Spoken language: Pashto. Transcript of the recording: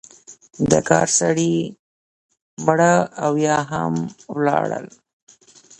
د کار سړی مړه او یا هم ولاړل.